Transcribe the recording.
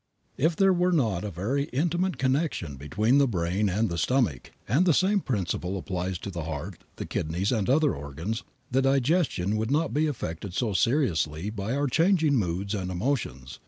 If there were not a very intimate connection between the brain and the stomach (and the same principle applies to the heart, the kidneys and other organs) the digestion would not be affected so seriously by our changing moods and emotions.